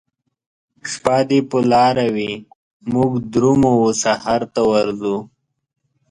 شپه دي په لاره وي موږ درومو وسحرته ورځو